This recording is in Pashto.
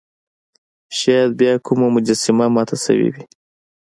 شاید بیا کومه مجسمه ماته شوې وي.